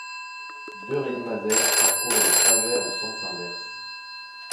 Deux rayons laser parcourent le trajet en sens inverse.